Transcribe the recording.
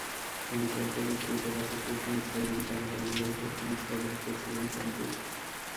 Himachal Pradesh cricket association স্টেডিয়ামে কাল হল্যান্ডের বিপক্ষে ম্যাচটায় ব্যাট করছিলেন সাব্বির।